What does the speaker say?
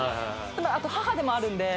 あと母でもあるんで。